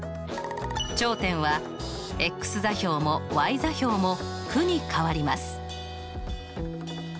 頂点は座標も座標も負に変わります